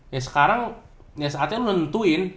ya sekarang ya saatnya nentuin